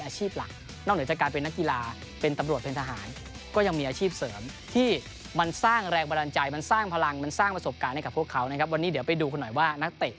อาชีพหลักนอกเหนือจากการเป็นนักกีฬา